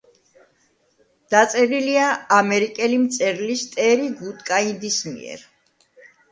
დაწერილია ამერიკელი მწერლის ტერი გუდკაინდის მიერ.